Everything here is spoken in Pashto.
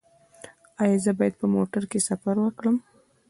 ایا زه باید په موټر کې سفر وکړم؟